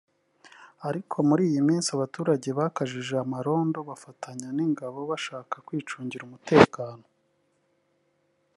Ariko muri iyi minsi abaturage bakajije amarondo bafatanyije n’ingabo babasha kwicungira umutekano